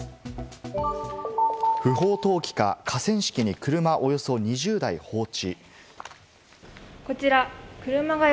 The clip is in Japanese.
不法投棄か、河川敷に車およそ２０台放置。